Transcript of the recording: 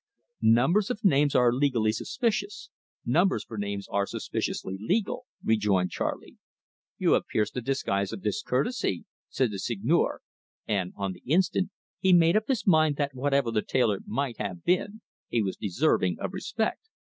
"Numbers of names are legally suspicious, numbers for names are suspiciously legal," rejoined Charley. "You have pierced the disguise of discourtesy," said the Seigneur, and, on the instant, he made up his mind that whatever the tailor might have been, he was deserving of respect.